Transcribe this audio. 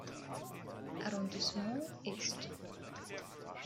Arrondissements ist.